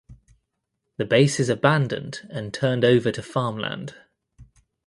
The base is abandoned and turned over to farmland.